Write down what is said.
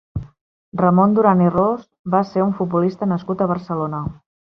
Ramon Duran i Ros va ser un futbolista nascut a Barcelona.